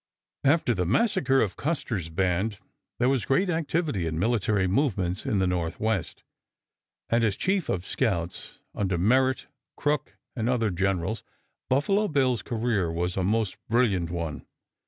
After the massacre of Custer's band there was great activity in military movements in the Northwest, and as chief of scouts under Merritt, Crook, and other generals Buffalo Bill's career was a most brilliant one.